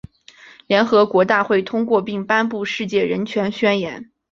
联合国大会通过并颁布《世界人权宣言》。